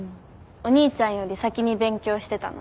お兄ちゃんより先に勉強してたの。